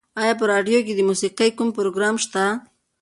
ایا په راډیو کې د موسیقۍ کوم پروګرام شته؟